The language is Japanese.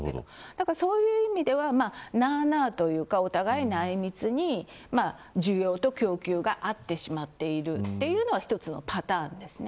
だからそういう意味ではなあなあというかお互い内密に需要と供給が合ってしまっているというのは一つのパターンですね。